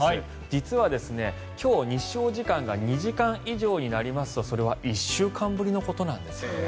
実は今日、日照時間が２時間以上になりますとそれは１週間ぶりのことなんですよね。